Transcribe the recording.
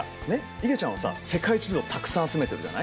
いげちゃんはさ世界地図をたくさん集めてるじゃない？